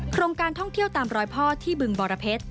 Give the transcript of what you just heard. โครงการท่องเที่ยวตามรอยพ่อที่บึงบรเพชร